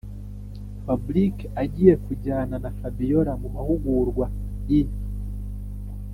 fabric agiyevkujyana na fabiora mumahugurwa i